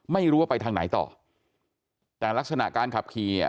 ไม่รู้ว่าไปทางไหนต่อแต่ลักษณะการขับขี่อ่ะ